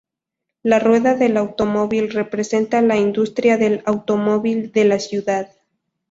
La rueda del automóvil representa la industria del automóvil de la ciudad.